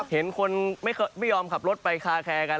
เห็นคนไม่ยอมขับรถไปคาแคร์กัน